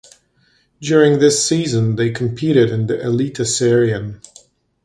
During this season they competed in the Eliteserien.